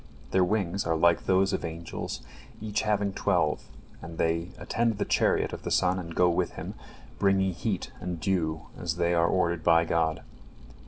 Their wings are like those of angels, each having twelve, and they attend the chariot of the sun and go with him, bringing heat and dew as they are ordered by God.